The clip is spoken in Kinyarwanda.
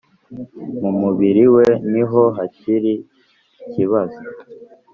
mu mubiri we niho hari ikibazo